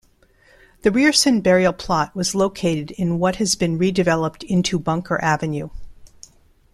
The Rierson burial plot was located in what has been redeveloped into Bunker Avenue.